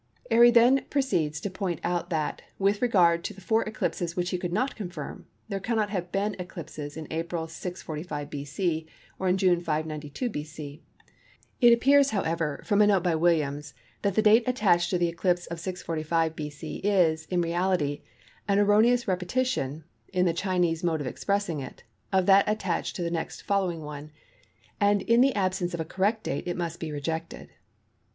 Airy then proceeds to point out that, with regard to the four eclipses which he could not confirm, there cannot have been eclipses in April 645 B.C. or in June 592 B.C. It appears, however, from a note by Williams, that the date attached to the eclipse of 645 B.C. is, in reality, an erroneous repetition (in the Chinese mode of expressing it) of that attached to the next following one, and in the absence of correct date it must be rejected.